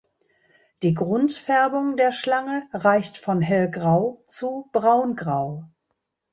Die Grundfärbung der Schlange reicht von hellgrau zu braungrau.